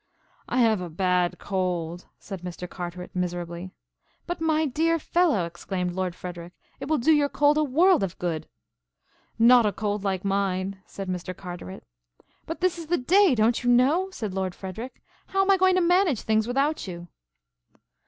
"I have a bad cold," said Mr. Carteret miserably. "But, my dear fellow," exclaimed Lord Frederic, "it will do your cold a world of good!" "Not a cold like mine," said Mr. Carteret. "But this is the day, don't you know?" said Lord Frederic. "How am I going to manage things without you?"